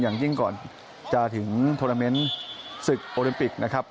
อย่างยิ่งก่อนจะถึงโทรเมนต์ศึกโอลิมปิกนะครับ